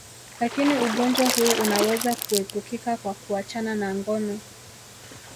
Lakini ugonjwa huu unaweza kuepukika kwa kuachana na ngono